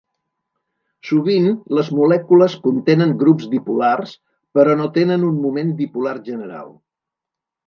Sovint, les molècules contenen grups dipolars, però no tenen un moment dipolar general.